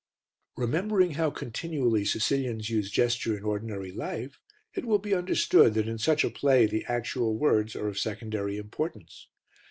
Remembering how continually Sicilians use gesture in ordinary life, it will be understood that in such a play the actual words are of secondary importance.